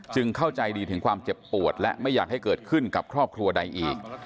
เข้าใจดีถึงความเจ็บปวดและไม่อยากให้เกิดขึ้นกับครอบครัวใดอีก